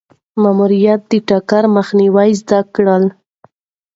ماموریت د ټکر مخنیوی زده کړل.